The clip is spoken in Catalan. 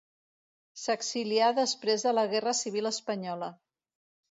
S'exilià després de la Guerra Civil espanyola.